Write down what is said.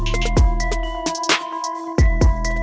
bahkan buah polisi maksudnya otot